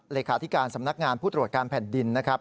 เลขาธิการสำนักงานผู้ตรวจการแผ่นดินนะครับ